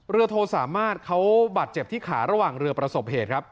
โทสามารถเขาบาดเจ็บที่ขาระหว่างเรือประสบเหตุครับ